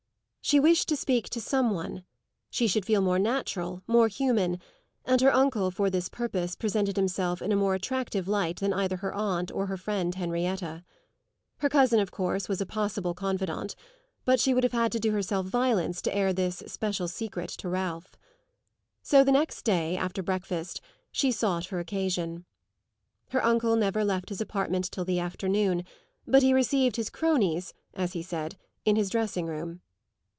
She wished to speak to some one; she should feel more natural, more human, and her uncle, for this purpose, presented himself in a more attractive light than either her aunt or her friend Henrietta. Her cousin of course was a possible confidant; but she would have had to do herself violence to air this special secret to Ralph. So the next day, after breakfast, she sought her occasion. Her uncle never left his apartment till the afternoon, but he received his cronies, as he said, in his dressing room.